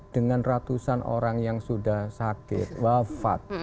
dengan ratusan orang yang sudah sakit wafat